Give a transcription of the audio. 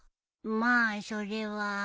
まあそれは。